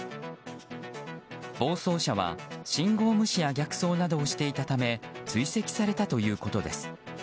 暴走車は信号無視や逆走などをしていたため追跡されたということです。